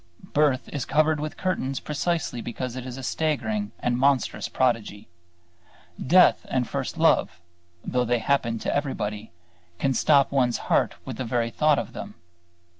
Birth is covered with curtains precisely because it is a staggering and monstrous prodigy. Death and first love, though they happen to everybody, can stop one's heart with the very thought of them.